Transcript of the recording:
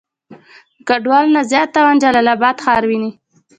د ګډوالو نه زيات تاوان جلال آباد ښار وينئ.